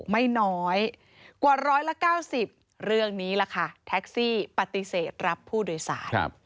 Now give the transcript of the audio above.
ไม่น้อยกว่าร้อยละ๙๐เรื่องนี้ล่ะค่ะแท็กซี่ปฏิเสธรับผู้โดยสาร